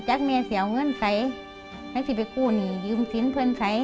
จากแม่เสียเงินใสให้สิ่งเป็นกูนี่ยืมสิ้นเพลินใส